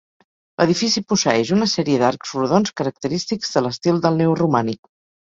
L'edifici posseeix una sèrie d'arcs rodons característics de l'estil del neoromànic.